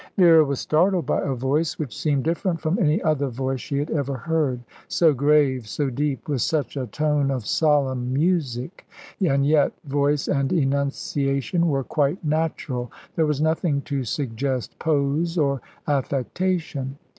Vera was startled by a voice which seemed different from any other voice she had ever heard so grave, so deep, with such a tone of solemn music; and yet voice and enunciation were quite natural; there was nothing to suggest pose or affectation.